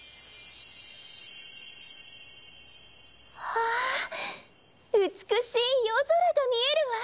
あ美しい夜空が見えるわ！